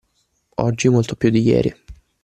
Oggi molto più di ieri